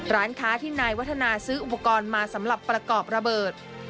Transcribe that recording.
ร้านค้าที่นายวัฒนาซื้ออุปกรณ์มาสำหรับประกอบระเบิด